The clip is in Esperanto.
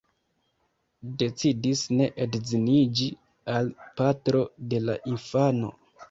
Decidis ne edziniĝi al patro de la infano.